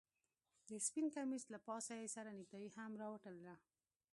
د سپين کميس له پاسه يې سره نيكټايي هم راوتړله.